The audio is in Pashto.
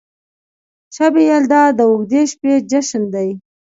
شب یلدا د اوږدې شپې جشن دی.